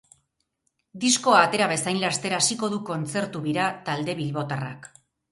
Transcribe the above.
Diskoa atera bezain laster hasiko du kontzertu bira talde bilbotarrak.